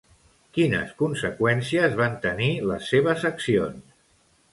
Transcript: Quines conseqüències van tenir les seves accions?